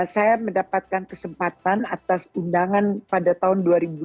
saya mendapatkan kesempatan atas undangan pada tahun dua ribu dua